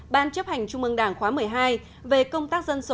ban chấp hành trung ương đảng khóa một mươi hai về công tác dân số